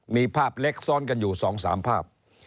มีภาพเล็กซ้อนกันอยู่๒๓ภาพ